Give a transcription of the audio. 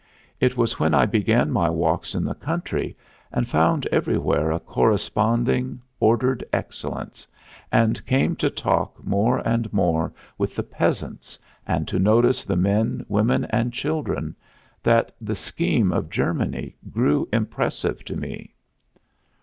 It was when I began my walks in the country and found everywhere a corresponding, ordered excellence, and came to talk more and more with the peasants and to notice the men, women and children, that the scheme of Germany grew impressive to me.